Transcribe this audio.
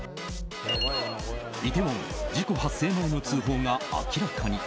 イテウォン、事故発生前の通報が明らかに。